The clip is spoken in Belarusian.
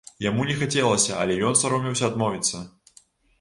Яму не хацелася, але ён саромеўся адмовіцца.